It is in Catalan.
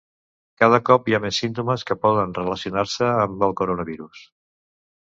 Cada cop hi ha més símptomes que poden relacionar-se amb el coronavirus